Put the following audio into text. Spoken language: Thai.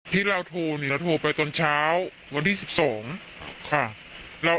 ที่เราโทรเนี่ยเราโทรไปตอนเช้าวันที่๑๒ค่ะ